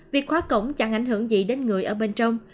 việc khóa cổng chẳng ảnh hưởng gì đến người ở bên trong